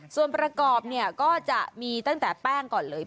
ส่วนประกอบเนี่ยก็จะมีตั้งแต่แป้งก่อนเลย